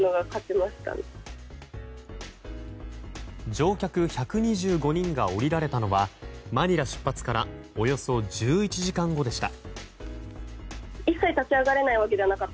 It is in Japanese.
乗客１２５人が降りられたのはマニラ出発からおよそ１１時間後でした。